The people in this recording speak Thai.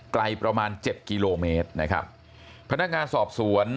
ไกลประมาณเจ็ดกิโลเมตรนะครับพนักงานสอบสวน